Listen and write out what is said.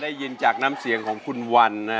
ได้ยินจากน้ำเสียงของคุณวันนะ